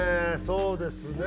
そうですね。